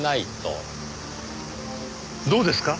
どうですか？